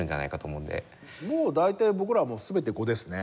もう大体僕らは全て５ですね。